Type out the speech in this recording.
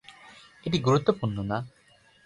এটি গুরুত্বপূর্ণ না।